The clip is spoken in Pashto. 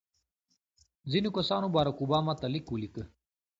ځینو کسانو بارک اوباما ته لیک ولیکه.